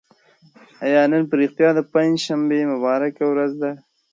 آیا نن په رښتیا د پنجشنبې مبارکه ورځ ده؟